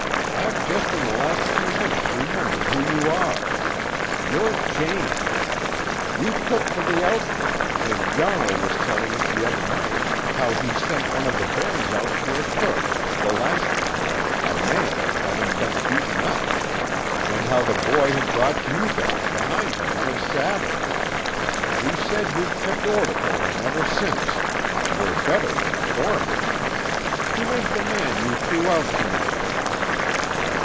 I've just in the last few minutes remembered who you are. You're Jane. You cook for the 'outfit,' and Yarnall was telling us the other night how he sent one of the boys out for a cook, the last one, a man, having been beaten up, and how the boy had brought you back behind him on his saddle. He said you'd kept order for him ever since, were better than a foreman. Who was the man you threw out to night?"